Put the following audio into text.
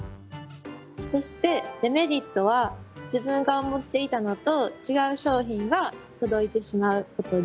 そしてデメリットは自分が思っていたのと違う商品が届いてしまうことです。